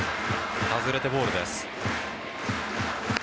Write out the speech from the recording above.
外れてボールです。